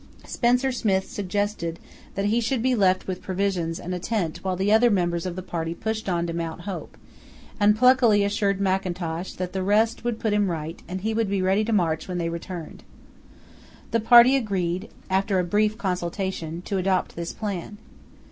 Spencer Smith suggested that he should be left with provisions and a tent while the other members of the party pushed on to Mount Hope, and pluckily assured Mackintosh that the rest would put him right and that he would be ready to march when they returned. The party agreed, after a brief consultation, to adopt this plan.